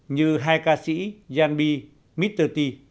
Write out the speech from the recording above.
như hai ca sĩ jan b và mr t